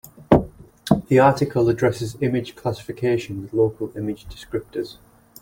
The article addresses image classification with local image descriptors.